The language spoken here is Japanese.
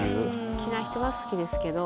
好きな人は好きですけど。